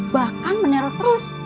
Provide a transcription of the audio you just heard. bahkan meneror terus